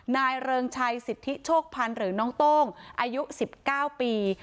เริงชัยสิทธิโชคพันธ์หรือน้องโต้งอายุ๑๙ปี